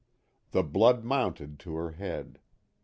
The blood mounted to her head.